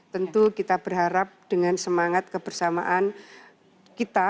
tentu kita berharap dengan semangat kebersamaan kita